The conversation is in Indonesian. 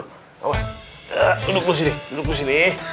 awas duduk lu sini